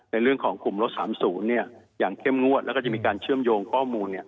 ในเรื่องของกลุ่มรถสามศูนย์เนี่ยอย่างเข้มงวดแล้วก็จะมีการเชื่อมโยงข้อมูลเนี่ย